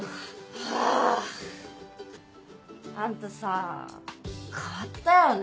ハァ！あんたさぁ変わったよね